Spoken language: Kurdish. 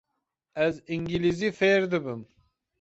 Ez îngilîzî fêr dibim.